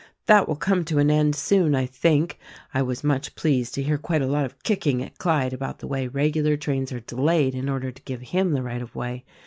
"That will come to an end, soon, I think. I was much pleased to hear quite a lot of kicking at Clyde about the way regular trains are delayed in order to give him the right of way.